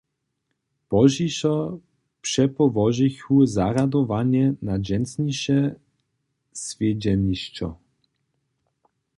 Pozdźišo přepołožichu zarjadowanje na dźensniše swjedźenišćo.